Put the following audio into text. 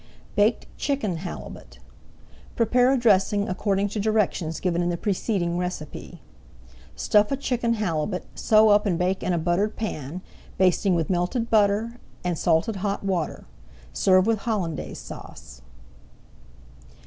BAKED CHICKEN HALIBUT Prepare a dressing according to directions given in the preceding recipe. Stuff a chicken halibut, sew up and bake in a buttered pan, basting with melted butter and salted hot water. Serve with Hollandaise Sauce.